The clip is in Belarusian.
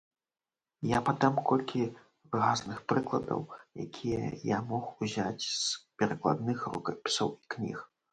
Я падам колькі выразных прыкладаў, якія я мог узяць з перакладных рукапісаў і кніг.